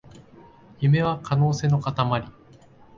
夢は可能性のかたまり